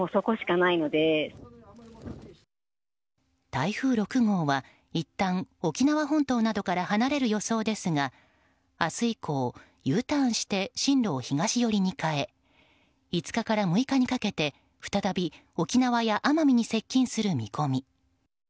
台風６号はいったん沖縄本島などから離れる予想ですが明日以降、Ｕターンして進路を東寄りに変え５日から６日にかけて再び沖縄や奄美に接近する見込み。